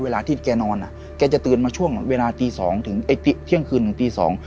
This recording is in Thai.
เวลาที่แกนอนน่ะแกจะตื่นมาช่วงเวลาที่เที่ยงคืนถึงตีสอง